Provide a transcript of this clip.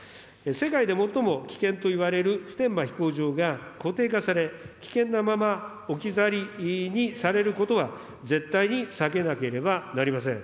世界で最も危険と言われる普天間飛行場が、固定化され、危険なまま置き去りにされることは絶対に避けなければなりません。